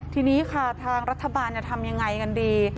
ทีนี้ค่ะทางรัฐบาลจะทำยังไงกันดี